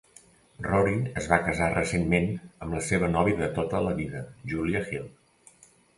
Rory es va casar recentment amb la seva nòvia de tota la vida Julia Hill.